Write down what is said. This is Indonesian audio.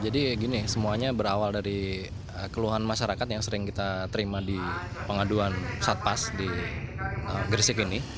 jadi gini semuanya berawal dari keluhan masyarakat yang sering kita terima di pengaduan satpas di gresik ini